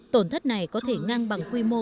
tổn thất này có thể ngang bằng quy mô